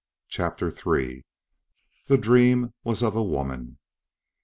CHAPTER THREE The dream was of a woman.